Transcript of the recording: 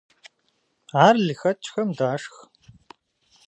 Ар лыхэкӏхэм дашх.